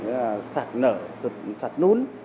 đơn vị là sạch nở sạch nún